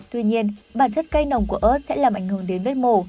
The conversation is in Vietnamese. tuy nhiên bản chất cây nồng của ớt sẽ làm ảnh hưởng đến vết mổ